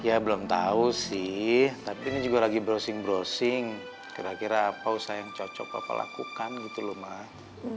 ya belum tahu sih tapi ini juga lagi browsing browsing kira kira apa usaha yang cocok bapak lakukan gitu loh mas